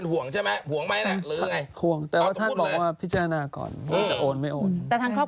โอนกระดียังคะจากโอนกระดียังไหม